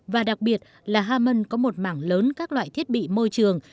và đặc biệt là haman có một mảng lớn các loại thiết bị môi trường